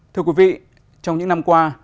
thưa quý vị trong những năm qua